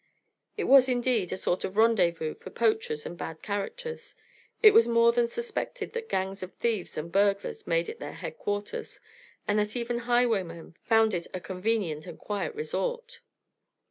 It was, indeed, a sort of rendezvous for poachers and bad characters, it was more than suspected that gangs of thieves and burglars made it their headquarters, and that even highwaymen found it a convenient and quiet resort.